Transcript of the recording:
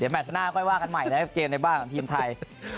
แมชหน้าค่อยว่ากันใหม่นะครับเกมในบ้านของทีมไทย